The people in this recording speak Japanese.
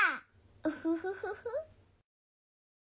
ウフフフフ。